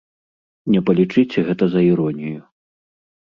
Не палічыце гэта за іронію.